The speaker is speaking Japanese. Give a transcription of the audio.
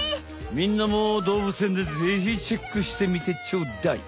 みんなも動物園でぜひチェックしてみてちょうだい。